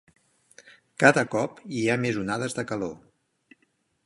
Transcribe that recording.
Cada cop hi ha més onades de calor.